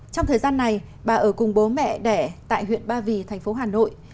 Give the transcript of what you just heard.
trong thời gian này bà ở cùng bố mẹ đẻ tại huyện ba vì thành phố hà nội